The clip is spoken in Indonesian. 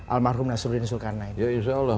almarhum nasruddin sulkarnain ya insya allah